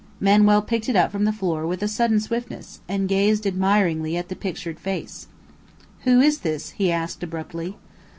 Manuel picked it up from the floor with sudden swiftness, and gazed admiringly at the pictured face. "Who is this?" he asked abruptly.